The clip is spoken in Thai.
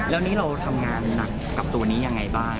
แล้วนี่เราทำงานหนักกับตัวนี้ยังไงบ้าง